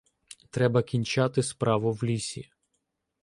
Треба кінчати справу в лісі.